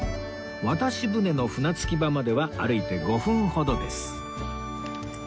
渡し船の船着き場までは歩いて５分ほどです